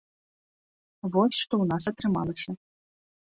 Вось што ў нас атрымалася.